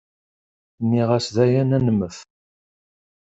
Nniɣ-as dayen ad nemmet.